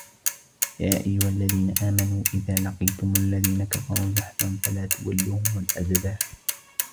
يا أيها الذين آمنوا إذا لقيتم الذين كفروا زحفا فلا تولوهم الأدبار